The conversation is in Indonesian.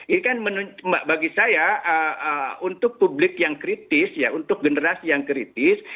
ini kan bagi saya untuk publik yang kritis ya untuk generasi yang kritis